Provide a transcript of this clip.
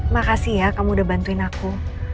makasih ya kamu udah bantuin aku